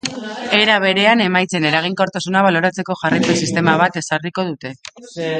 Era berean, emaitzen eraginkortasuna baloratzeko jarraipen sistema bat ezarriko dute.